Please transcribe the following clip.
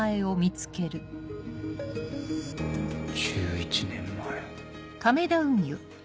１１年前。